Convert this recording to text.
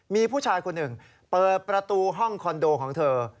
มีผู้ชายคนหนึ่งเปิดประตูห้องคอนโดของเธอ